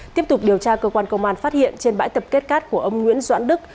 tiếp tục điều tra cơ quan công an phát hiện trên bãi tập kết cát của ông nguyễn doãn đức